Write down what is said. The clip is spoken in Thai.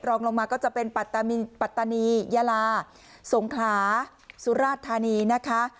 รองลงมาก็จะเป็นปัตตานียาลาสงขลาสุราชธานีนะคะ